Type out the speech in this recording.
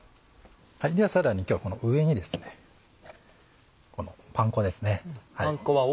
ではさらに今日この上にこのパン粉です。